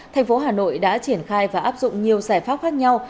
thành phố hà nội đã triển khai và áp dụng nhiều giải pháp khác nhau